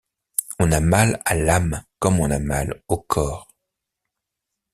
On a mal à l’âme comme on a mal au corps.